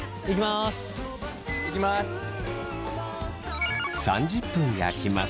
いきます。